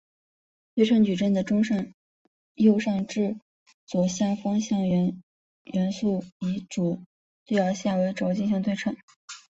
对称矩阵中的右上至左下方向元素以主对角线为轴进行对称。